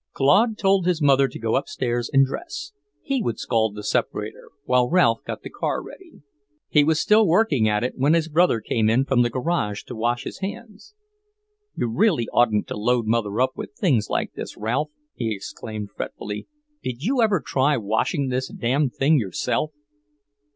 Claude told his mother to go upstairs and dress; he would scald the separator while Ralph got the car ready. He was still working at it when his brother came in from the garage to wash his hands. "You really oughtn't to load mother up with things like this, Ralph," he exclaimed fretfully. "Did you ever try washing this damned thing yourself?"